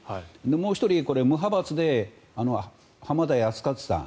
もう１人、これは無派閥で浜田靖一さん